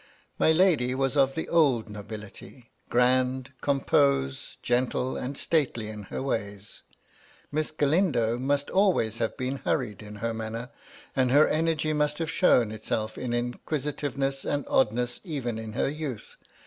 My lady was of the old nobility, — grand, composed, gentle, and stately in her ways. Miss Galindo must always have been hurried in her manner, and her energy must haye shown itself in inquisitiveness and oddness even in her youth.